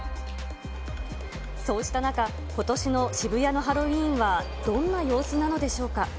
そうした中、ことしの渋谷のハロウィーンはどんな様子なのでしょうか。